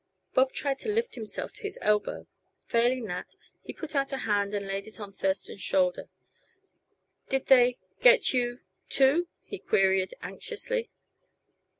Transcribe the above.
Bob tried to lift himself to his elbow; failing that, he put out a hand and laid it on Thurston's shoulder. "Did they get you too?" he queried anxiously.